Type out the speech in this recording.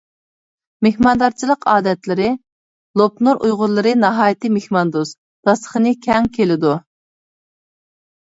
مېھماندارچىلىق ئادەتلىرى لوپنۇر ئۇيغۇرلىرى ناھايىتى مېھماندوست، داستىخىنى كەڭ كېلىدۇ.